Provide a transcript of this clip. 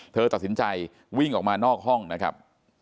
เธอตัดสินใจวิ่งออกมานอกห้องนะครับ